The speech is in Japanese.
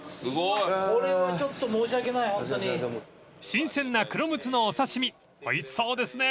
［新鮮な黒ムツのお刺身おいしそうですね！］